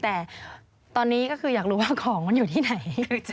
แต่ตอนนี้ก็คืออยากรู้ว่าของมันอยู่ที่ไหน